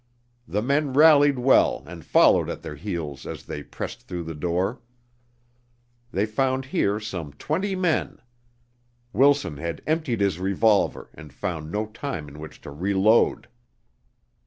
The men rallied well and followed at their heels as they pressed through the door. They found here some twenty men. Wilson had emptied his revolver and found no time in which to reload.